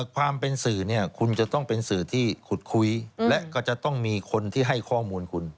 ความเป็นสื่อเนี่ยคุณจะต้องเป็นสื่อที่ขุดคุยและก็จะต้องมีคนที่ให้ข้อมูลคุณ